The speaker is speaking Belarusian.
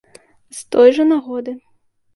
З той жа нагоды.